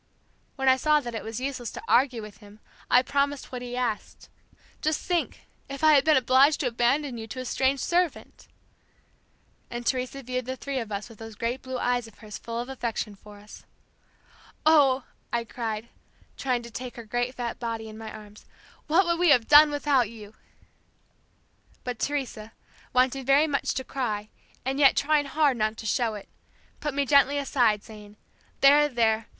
"When I saw that it was useless to argue with him I promised what he asked. Just think, if I had been obliged to abandon you to a strange servant!" and Teresa viewed the three of us with those great blue eyes of hers full of affection for us. "Oh," I cried, trying to take her great fat body in my arms, "What would we have done without you!" But Teresa, wanting very much to cry and yet trying hard not to show it, put me gently aside, saying, "There, there!